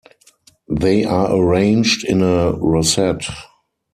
They are arranged in a rosette.